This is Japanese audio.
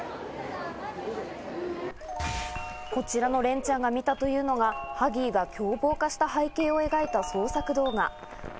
こちらの、れんちゃんが見たというのが、ハギーが凶暴化した背景を描いた創作動画。